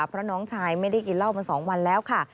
เพราะน้องชายไม่ได้กินเหล้ามา๒วันแล้วค่ะ